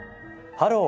「ハロー！